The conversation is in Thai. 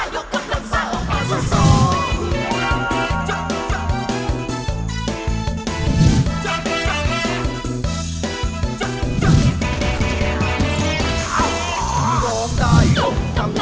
ขอบคุณครับ